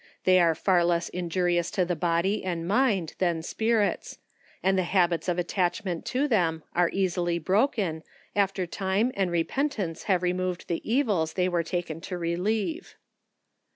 They are 'ar less injurious to the body and mini", than spirits, and the hab its of att ichment to them, are easily broken, after time and repentance have removed the evils they were taken to relieve.